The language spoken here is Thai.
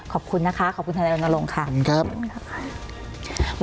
ขอบคุณนะคะขอบคุณทนายรณรงค์ค่ะขอบคุณค่ะ